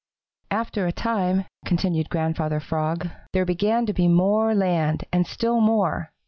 "After a time," continued Grandfather Frog, "there began to be more land and still more.